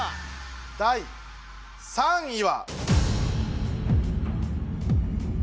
第３位は！